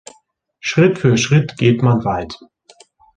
Schritt für Schritt geht man weit.